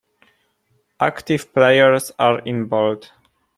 Active players are in bold.